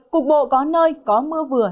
cục bộ có nơi có mưa vừa